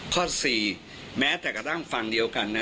ข้อ๔แม้แต่กระทั่งฟังเดียวกันนะ